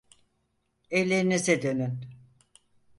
Evlerinize dönün.